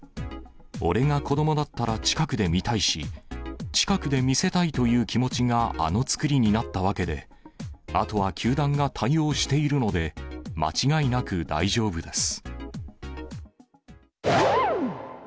俺が子どもだったら近くで見たいし、近くで見せたいという気持ちがあの造りになったわけで、あとは球団が対応しているので、間違いなく大丈夫です。